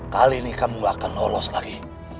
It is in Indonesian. kali ini kamu gak akan lolos lagi